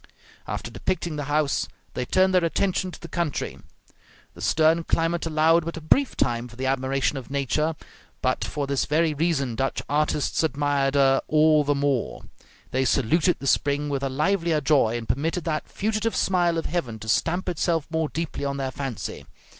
After depicting the house, they turned their attention to the country. The stern climate allowed but a brief time for the admiration of nature, but for this very reason Dutch artists admired her all the more; they saluted the spring with a livelier joy, and permitted that fugitive smile of heaven to stamp itself more deeply on their fancy.